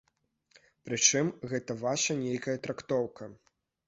Прычым, гэта ваша нейкая трактоўка.